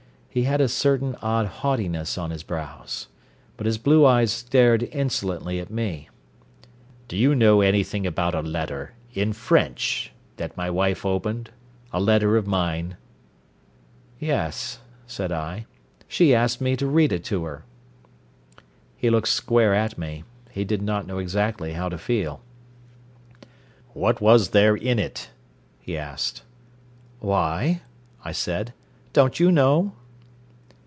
He had a certain odd haughtiness on his brows. But his blue eyes stared insolently at me. "Do you know anything about a letter in French that my wife opened a letter of mine?" "Yes," said I. "She asked me to read it to her." He looked square at me. He did not know exactly how to feel. "What was there in it?" he asked. "Why?" I said. "Don't you know?"